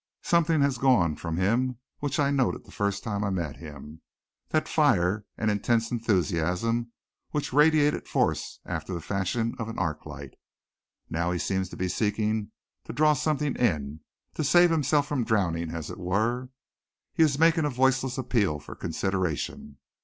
Something has gone from him which I noted the first time I met him: that fire and intense enthusiasm which radiated force after the fashion of an arclight. Now he seems to be seeking to draw something in, to save himself from drowning as it were. He is making a voiceless appeal for consideration.